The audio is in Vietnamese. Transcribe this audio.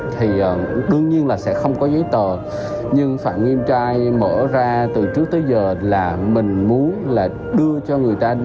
thì đương nhiên là sẽ không có giấy tờ nhưng phạm nghiêm trai mở ra từ trước tới giờ là mình muốn là đưa cho người ta đi